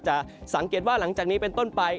สังเกตว่าหลังจากนี้เป็นต้นไป